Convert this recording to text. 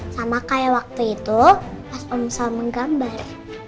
sama kayak waktu itu pas omsal menggambar